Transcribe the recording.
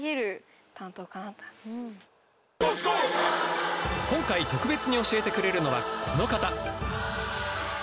今回特別に教えてくれるのはこの方！